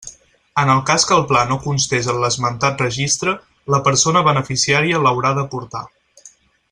En el cas que el pla no constés en l'esmentat Registre, la persona beneficiària l'haurà d'aportar.